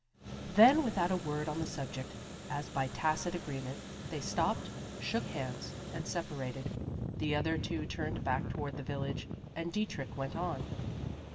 Then without a word on the subject, as by tacit agreement, they stopped, shook hands, and separated; the other two turned back toward the village, and Dietrich went on.